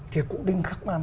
thì cụ đinh khắc man